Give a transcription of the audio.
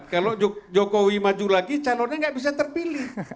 kalau jokowi maju lagi calonnya nggak bisa terpilih